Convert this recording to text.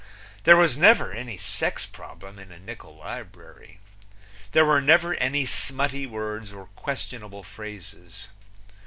There was never any sex problem in a nickul librury. There were never any smutty words or questionable phrases.